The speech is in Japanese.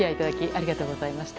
ありがとうございます。